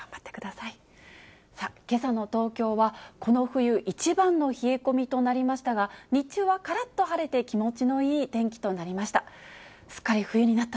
さあ、けさの東京は、この冬一番の冷え込みとなりましたが、日中はからっと晴れて、気持ちのいい天気となりました。